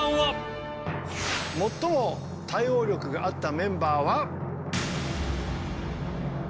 最も対応力があったメンバーは。